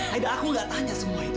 aida aku nggak tanya semua itu